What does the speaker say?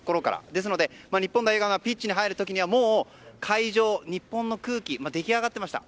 ですので日本代表がピッチに入る時にはもう会場、日本の空気が出来上がっていました。